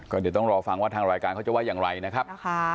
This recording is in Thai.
เดี๋ยวต้องรอฟังว่าทางรายการเขาจะว่าอย่างไรนะครับ